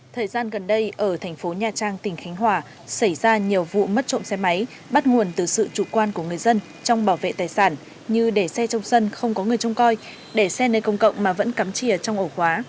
thời gian gần đây ở thành phố nha trang tỉnh khánh hòa xảy ra nhiều vụ mất trộm xe máy bắt nguồn từ sự chủ quan của người dân trong bảo vệ tài sản như để xe trong sân không có người trông coi để xe nơi công cộng mà vẫn cắm chìa trong ổ khóa